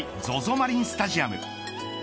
マリンスタジアム。